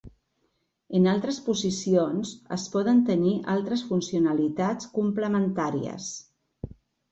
En altres posicions, es poden tenir altres funcionalitats complementàries.